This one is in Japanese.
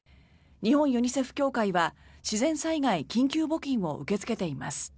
日本ユニセフ協会は自然災害緊急募金を受け付けています。